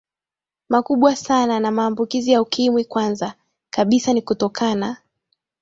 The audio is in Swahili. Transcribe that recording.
makubwa sana na maambukizo ya ukimwi Kwanza kabisa ni kutokana